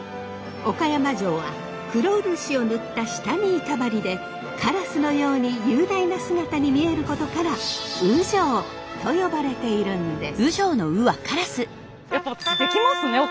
岡山城は黒漆を塗った下見板張りでカラスのように雄大な姿に見えることから烏城と呼ばれているんです。